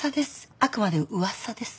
あくまで噂です。